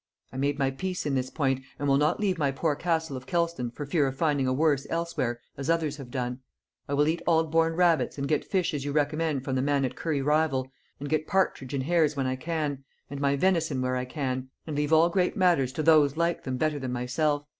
I made my peace in this point, and will not leave my poor castle of Kelston, for fear of finding a worse elsewhere, as others have done. I will eat Aldborne rabbits, and get fish as you recommend from the man at Curry Rival; and get partridge and hares when I can; and my venison where I can; and leave all great matters to those like them better than myself....